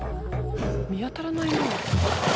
見当たらないな。